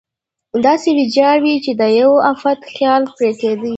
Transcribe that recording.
داسې ویجاړې وې چې د یوه افت خیال پرې کېده.